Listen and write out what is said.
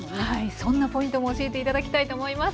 そんなポイントも教えて頂きたいと思います。